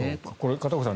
片岡さん